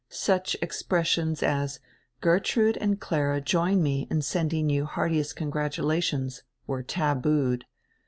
Such expressions as "Gertrude and Clara join me in sending you heartiest congratulations," were tabooed.